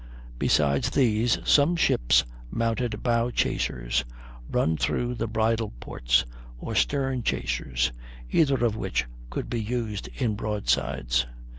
Besides these, some ships mounted bow chasers run through the bridle ports, or stern chasers, neither of which could be used in broadsides.